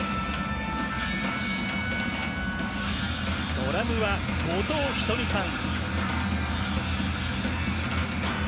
ドラムは後藤仁美さん。